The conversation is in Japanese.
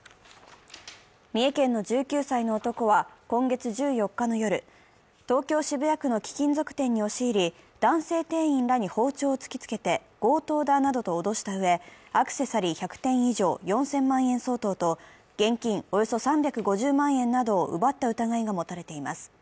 三重県の１９歳の男は今月１４日の夜、東京・渋谷区の貴金属店に押し入り男性店員らに包丁を突きつけて強盗だなどと脅したうえ、アクセサリー１００点以上、４０００万円相当と現金およそ３５０万円などを奪った疑いが持たれています。